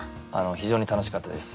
非常に楽しかったです。